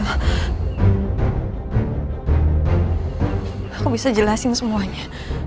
aku bisa jelasin semuanya